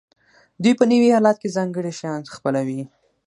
دوی په نوي حالت کې ځانګړي شیان خپلوي.